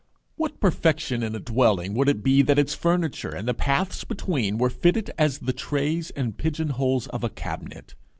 What perfection in a dwelling would it be that its furniture and the paths between were fitted as the trays and pigeon holes of a cabinet?